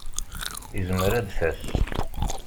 Izmer ad d-tas.